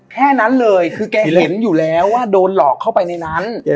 แค่นั้นเลยคือแกเห็นอยู่แล้วว่าโดนหลอกเข้าไปในนั้น